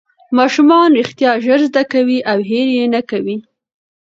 ماشومان رښتیا ژر زده کوي او هېر یې نه کوي